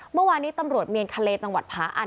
เมื่อวานนี้ตำรวจเมียนทะเลจังหวัดผาอัน